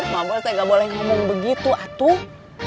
mbak bos teh nggak boleh ngomong begitu atuh